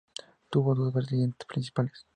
Tuvo dos vertientes principales.